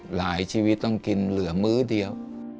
ชีวิตต้องกินเหลือมื้อเดียว